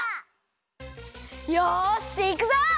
よしいくぞ！